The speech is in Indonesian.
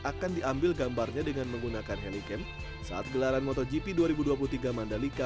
akan diambil gambarnya dengan menggunakan heliken saat gelaran motogp dua ribu dua puluh tiga mandalika